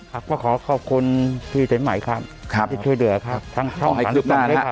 ครับก็ขอขอบคุณที่เต็มใหม่ครับที่ช่วยเดือกครับทั้งท่องทางทุกคนด้วยครับ